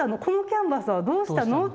このキャンバスはどうしたの？